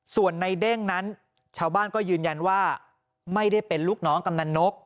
ส่วนในเด้งนั้นชาวบ้านก็ยืนยันว่าไม่ได้เป็นลูกน้องกำนันนก